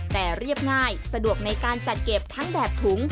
แต่เรียบง่ายสะดวกในการจัดเก็บทั้งแบบถุง